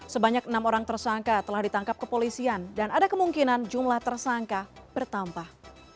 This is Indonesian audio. sebanyak enam orang tersangka telah ditangkap kepolisian dan ada kemungkinan jumlah tersangka bertambah